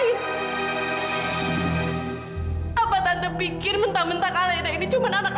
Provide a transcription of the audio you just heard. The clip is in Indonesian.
tante apa tante pikir mentah mentah alena ini cuma anak angkat papi